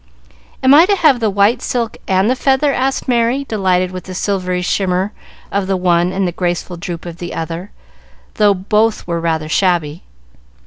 "Am I to have the white silk and the feather?" asked Merry, delighted with the silvery shimmer of the one and the graceful droop of the other, though both were rather shabby.